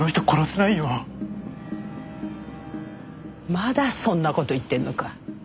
まだそんな事言ってんのか？